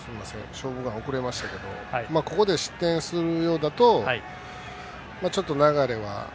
「勝負眼」遅れましたけどここで失点するようだとちょっと、流れは。